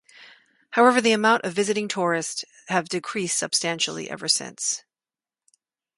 However the amount of visiting tourist have decreased substantially ever since.